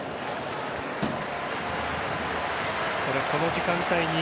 この時間帯に。